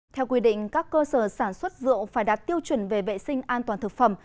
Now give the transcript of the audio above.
theo quy định các cơ sở sản xuất rượu phải đạt tiêu chuẩn về vệ sinh an toàn thực phẩm